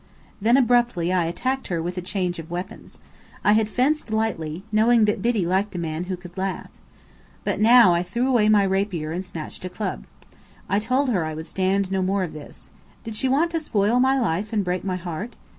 Then abruptly I attacked her with a change of weapons. I had fenced lightly, knowing that Biddy liked a man who could laugh. But now I threw away my rapier and snatched a club. I told her I would stand no more of this. Did she want to spoil my life and break my heart?